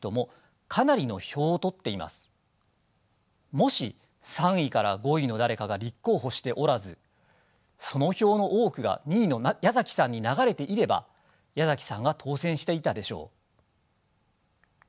もし３位から５位の誰かが立候補しておらずその票の多くが２位の矢崎さんに流れていれば矢崎さんが当選していたでしょう。